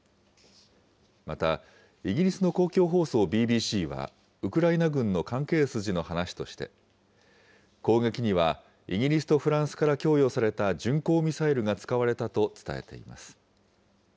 また、イギリスの公共放送ＢＢＣは、ウクライナ軍の関係筋の話として、攻撃にはイギリスとフランスから供与された巡航ミサイルが使われたと伝えています。